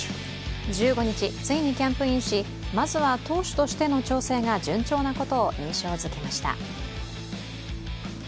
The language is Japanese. １５日、ついにキャンプインし、まずは投手としての調整が順調なことを印象づけました。